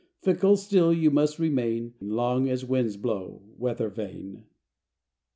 Fickle still you must remain Long as winds blow, weather vane!